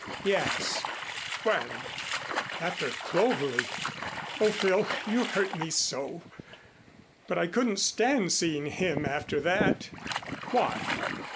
"Yes." "When?" "After 'Clovelly.' Oh, Phil, you hurt me so. But I couldn't stand seeing him after that." "Why?"